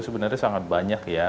sebenarnya sangat banyak ya